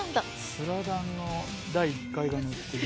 「スラダン」の第１回が載ってる。